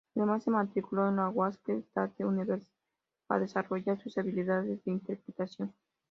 Además, se matriculó en la Wayne State University para desarrollar sus habilidades de interpretación.